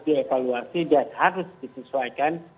dievaluasi dan harus disesuaikan